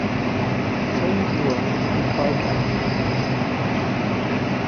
São João do Pau-d'Alho